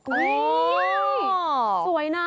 อุ๊ยสวยน้ำ